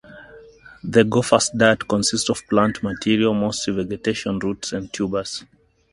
The gopher's diet consists of plant material, mostly vegetation, roots and tubers.